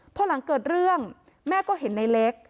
พอหลังเกิดเรื่องแม่ก็เห็นในเล็ก